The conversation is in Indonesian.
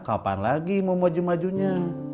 kapan lagi mau maju majunya